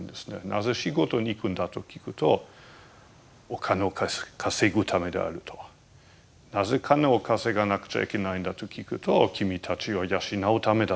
なぜ仕事に行くんだと聞くと「お金を稼ぐためである」と。なぜ金を稼がなくちゃいけないんだと聞くと「君たちを養うためだ」と。